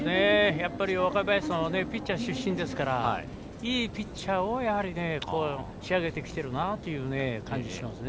若林さんはピッチャー出身ですからいいピッチャーを仕上げてきてるという感じがします。